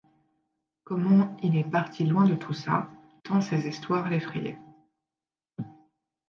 Comment il est parti loin de tout ça, tant ces histoires l’effrayaient.